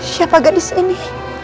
siapa gadis ini